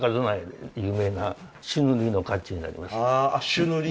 朱塗り？